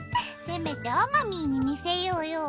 せめてあまみーに見せようよ。